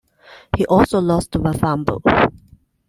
He also lost one fumble.